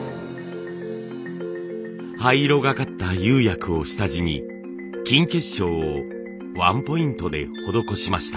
灰色がかった釉薬を下地に金結晶をワンポイントで施しました。